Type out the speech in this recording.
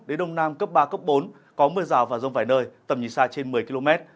đến đông nam cấp ba cấp bốn có mưa rào và rông vài nơi tầm nhìn xa trên một mươi km